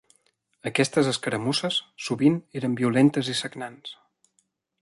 Aquestes escaramusses sovint eren violentes i sagnants.